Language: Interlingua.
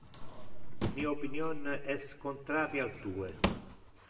Mi opinion es contrari al tue.